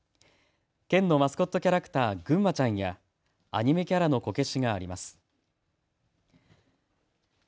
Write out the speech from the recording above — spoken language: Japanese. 県のマスコットキャラクター、ぐんまちゃんやアニメキャラのこけしがあります。